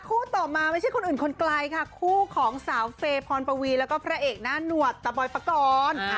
ต่อมาไม่ใช่คนอื่นคนไกลค่ะคู่ของสาวเฟย์พรปวีแล้วก็พระเอกหน้าหนวดตะบอยปกรณ์